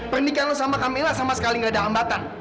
pernikahan kamu sama kamila sama sekali tidak ada hambatan